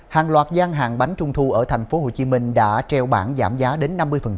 hàng loạt gian hàng bánh trung thu ở tp hcm đã treo bản giảm giá đến năm mươi